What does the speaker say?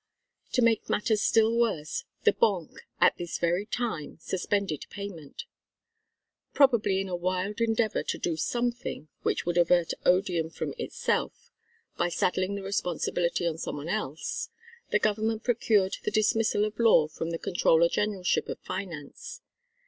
To make matters still worse the Banque at this very time suspended payment. Probably in a wild endeavour to do something which would avert odium from itself by saddling the responsibility on someone else, the Government procured the dismissal of Law from the Controller Generalship of Finance.